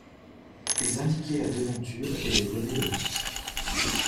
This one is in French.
Ils indiquaient la devanture et les bonnets de linge.